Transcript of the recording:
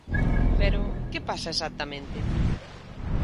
_Pero, ¿que pasa exactamente?